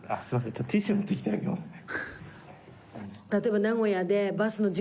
ちょっとティッシュ持ってきてあげますね。